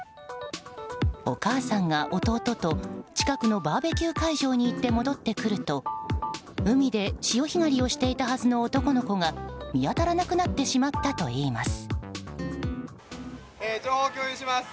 お母さんが弟と近くのバーベキュー会場に行って戻ってくると海で潮干狩りをしていたはずの男の子が見当たらなくなってしまったといいます。